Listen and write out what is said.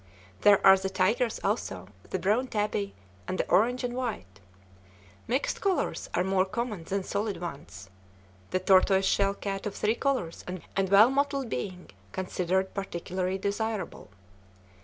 There are the tigers also, the brown tabby, and the orange and white. Mixed colors are more common than solid ones; the tortoise shell cat of three colors and well mottled being considered particularly desirable.